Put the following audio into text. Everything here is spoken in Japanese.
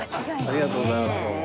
ありがとうございますどうも。